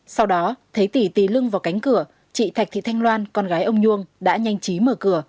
sau đó thấy tỷ tý lưng vào cánh cửa chị thạch thị thanh loan con gái ông nhung đã nhanh chí mở cửa